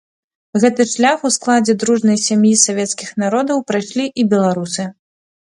Гэты шлях у складзе дружнай сям'і савецкіх народаў прайшлі і беларусы.